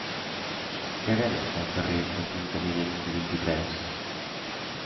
Què venen al carrer de Fontanella número vint-i-tres?